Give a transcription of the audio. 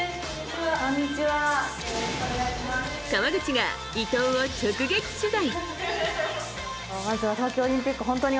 川口が伊藤を直撃取材。